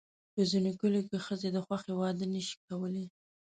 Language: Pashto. په ځینو کلیو کې ښځې د خوښې واده نه شي کولی.